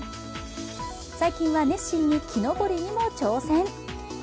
最近は熱心に木登りにも挑戦。